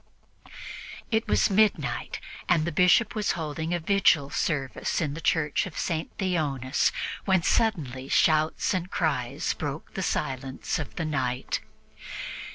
It was midnight, and the Bishop was holding a vigil service in the Church of St. Theonas, when suddenly shouts and cries broke the silence of the night.